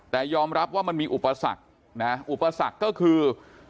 แต่ยอมรับว่ามันมีอุปสรรคนะฮะอุปสรรคก็คือ